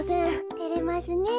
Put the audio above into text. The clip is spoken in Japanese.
てれますねえ。